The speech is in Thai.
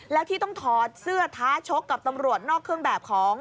แล้วที่ต้องถอดเสื้อท้าชกกับตำรวจนอกเครื่องแบบของ